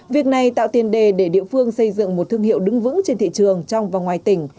việc này tạo tiền đề để địa phương xây dựng một thương hiệu đứng vững trên thị trường trong và ngoài tỉnh